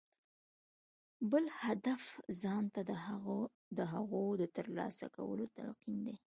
بل هدف ځان ته د هغو د ترلاسه کولو تلقين دی.